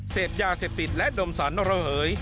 เสพยาเสพติดและดมสรรระเหย